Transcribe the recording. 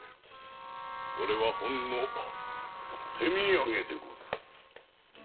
これはほんの手土産でござる。